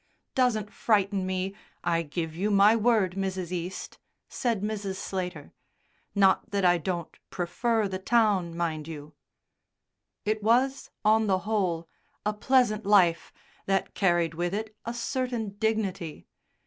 "Doesn't frighten me, I give you my word, Mrs. East," said Mrs. Slater; "not that I don't prefer the town, mind you." It was, on the whole, a pleasant life, that carried with it a certain dignity.